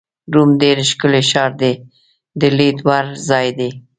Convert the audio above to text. روم ډېر ښکلی ښار دی، د لیدو وړ ځای دی.